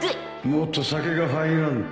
もっと酒が入らんと